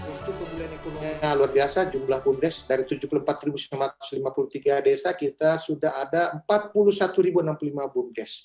untuk pemulihan ekonominya luar biasa jumlah bumdes dari tujuh puluh empat sembilan ratus lima puluh tiga desa kita sudah ada empat puluh satu enam puluh lima bumdes